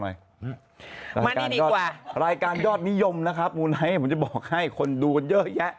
ไหนส่งรายเวียบบอกหน่อยรายการยอดนิยมนะครับมูนไลท์ให้ผมจะบอกให้คนดูเยอะแยะ